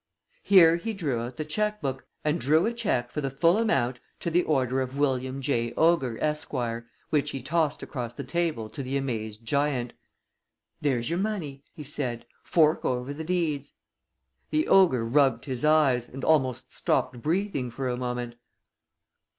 Here he drew out the check book, and drew a check for the full amount to the order of William J. Ogre, Esq., which he tossed across the table to the amazed giant. "There's your money," he said. "Fork over the deeds." The ogre rubbed his eyes, and almost stopped breathing for a moment.